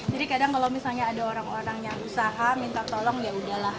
jadi kadang kalau misalnya ada orang orang yang usaha minta tolong ya udahlah